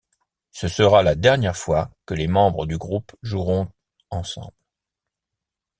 Ce sera la dernière fois que les membres du groupe joueront ensemble.